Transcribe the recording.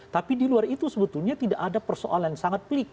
tapi di luar itu sebetulnya tidak ada persoalan yang sangat pelik